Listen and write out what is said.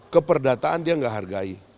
keperdataan dia gak hargai